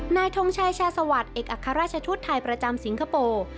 ทงชัยชาสวัสดิ์เอกอัครราชชุดไทยประจำสิงคโปร์